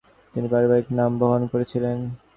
তিনি পারিবারিক নাম বহন করেছিলেন।